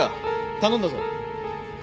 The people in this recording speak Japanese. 頼んだぞ。